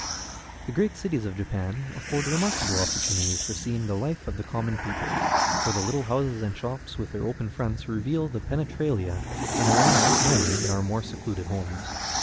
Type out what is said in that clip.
The great cities of Japan afford remarkable opportunities for seeing the life of the common people, for the little houses and shops, with their open fronts, reveal the penetralia in a way not known in our more secluded homes.